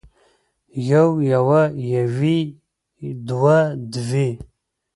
يو يوه يوې دوه دوې